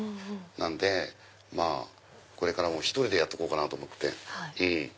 なのでこれから１人でやってこうかなと思って。